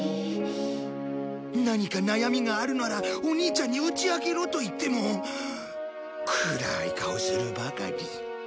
何か悩みがあるならお兄ちゃんに打ち明けろと言っても暗い顔するばかり。